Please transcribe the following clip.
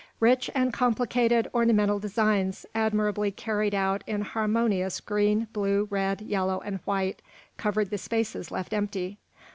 Rich and complicated ornamental designs, admirably carried out in harmonious green, blue, red, yellow, and white, covered the spaces left empty.